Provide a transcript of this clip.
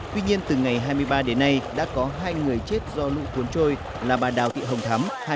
tuy nhiên từ ngày hai mươi ba đến nay đã có hai người chết do lũ cuốn trôi là bà đào thị hồng thắm